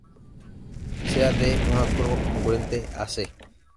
Sea "D" una curva congruente a "C".